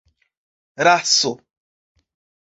raso